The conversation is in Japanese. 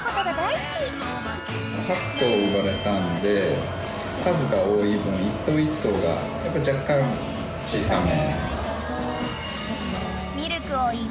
８頭産まれたんで数が多い分一頭一頭が若干小さめ。